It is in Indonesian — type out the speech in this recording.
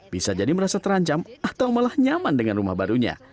bisa jadi merasa terancam atau malah nyaman dengan rumah barunya